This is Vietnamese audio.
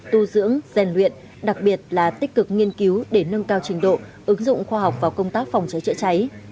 tu dưỡng rèn luyện đặc biệt là tích cực nghiên cứu để nâng cao trình độ ứng dụng khoa học vào công tác phòng cháy chữa cháy